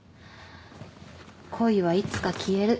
恋はいつか消える。